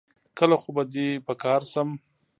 کله خو به دي په کار سم